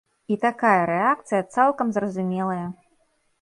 І такая рэакцыя цалкам зразумелая.